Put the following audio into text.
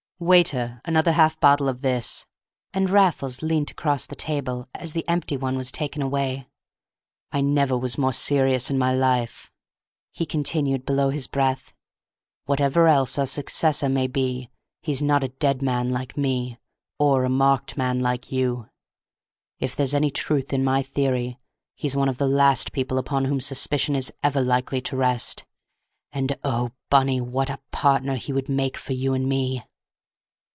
Waiter! another half bottle of this," and Raffles leant across the table as the empty one was taken away. "I never was more serious in my life," he continued below his breath. "Whatever else our successor may be, he's not a dead man like me, or a marked man like you. If there's any truth in my theory he's one of the last people upon whom suspicion is ever likely to rest; and oh, Bunny, what a partner he would make for you and me!"